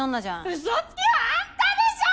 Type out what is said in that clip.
うそつきはあんたでしょ！